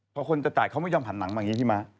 เพราะคนจะจ่ายเขาไม่ยอมหันหนังมาอย่างนี้ที่มา